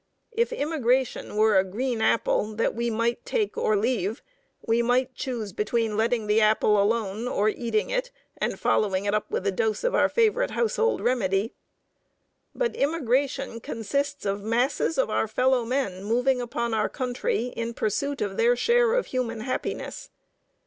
If immigration were a green apple that we might take or leave, we might choose between letting the apple alone or eating it and following it up with a dose of our favorite household remedy. But immigration consists of masses of our fellow men moving upon our country in pursuit of their share of human happiness.